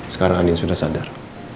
sekarang andien sudah sadar